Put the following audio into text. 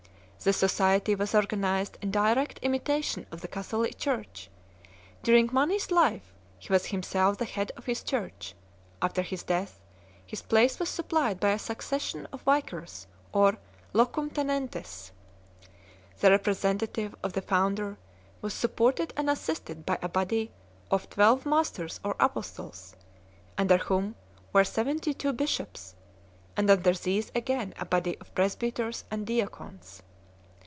The society was organized in direct imita tion of the Catholic Church ; during Mani s life, he was 1 A. do Wegnern, Manicheeorum Indultj entice (Lipsiae, 1827). The Great Divisions. 105 himself the head of his Church ; after his death, his place was supplied by a succession of vicars or locum tenentes. The representative of the founder was supported and assisted by a body of twelve Masters or Apostles, .under whom were seventy two bishops, and under these again a body of presbyters and deacons.